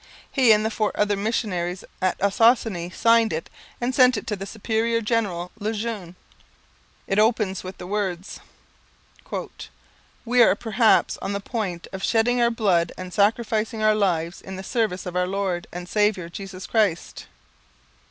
He and the four other missionaries at Ossossane signed it and sent it to the superior general Le Jeune. It opens with the words: 'We are perhaps on the point of shedding our blood and sacrificing our lives in the service of our Lord and Saviour, Jesus Christ.'